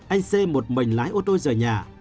anh c một mình lái ô tô rời nhà